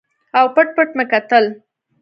او پټ پټ مې کتل.